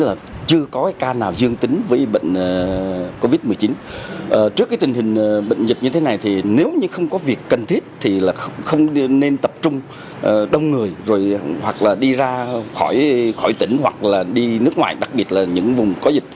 tất cả vẫn chưa có trường hợp nào dương tính với covid một mươi chín trước tình hình bệnh dịch như thế này nếu không có việc cần thiết thì không nên tập trung đông người đi ra khỏi tỉnh hoặc đi nước ngoài đặc biệt là những vùng có dịch